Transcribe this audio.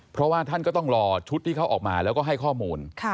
เพราะว่าท่านก็ต้องรอชุดที่เขาออกมาแล้วก็ให้ข้อมูล